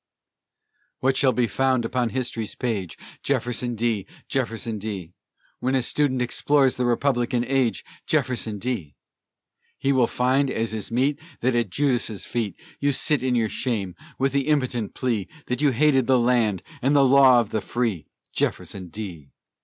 What shall be found upon history's page? Jefferson D., Jefferson D.! When a student explores the republican age! Jefferson D.! He will find, as is meet, That at Judas's feet You sit in your shame, with the impotent plea, That you hated the land and the law of the free, Jefferson D.!